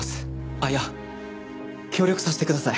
あっいや協力させてください。